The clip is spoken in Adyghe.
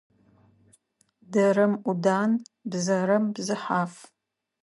Дэрэм ӏудан, бзэрэм бзыхьаф.